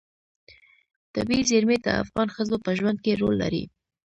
طبیعي زیرمې د افغان ښځو په ژوند کې رول لري.